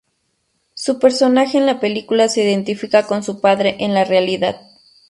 Su personaje en la película se identifica con su padre en la realidad.